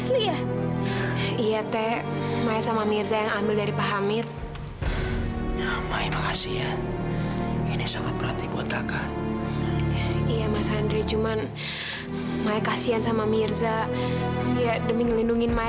sampai jumpa di video selanjutnya